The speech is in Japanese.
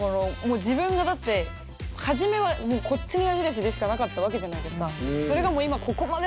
自分がだって初めはこっちの矢印でしかなかったわけじゃないですか。